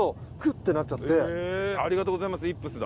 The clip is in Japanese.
ありがとうございますイップスだ。